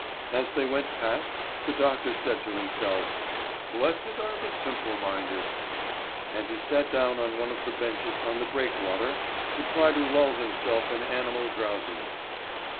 As they went past the doctor said to himself: "Blessed are the simple minded!" And he sat down on one of the benches on the breakwater, to try to lull himself in animal drowsiness.